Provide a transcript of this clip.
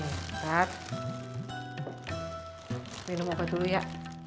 nih ntar minum obat dulu ya